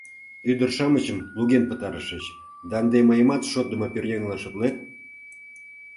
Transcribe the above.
Ӱдыр-шамычым луген пытарышыч да ынде мыйымат шотдымо пӧръеҥлан шотлет?